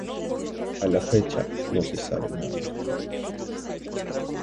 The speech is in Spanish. A la fecha no se sabe nada del club.